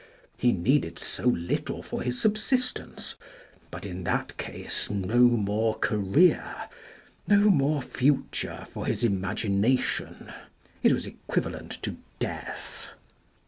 He needed so little for his subsistence, but in that case no more career, no more future for his imagination. It was equivalent to death.